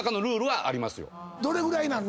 どれぐらいなの？